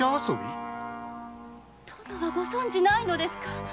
ご存じないのですか？